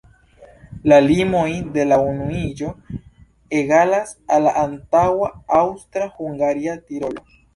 La limoj de la unuiĝo egalas al la antaŭa aŭstra-hungaria Tirolo.